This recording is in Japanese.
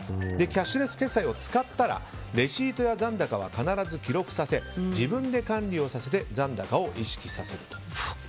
キャッシュレス決済を使ったらレシートや残高は必ず記録させ自分で管理をさせて残高を意識させると。